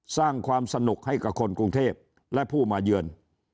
สร้างความสนุกให้กับคนกรุงเทพและผู้มาเยือน